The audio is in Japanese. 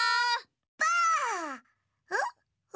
ばあ！